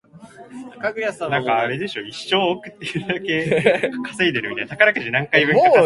馬鹿ばかにしろよ、笑わらえよ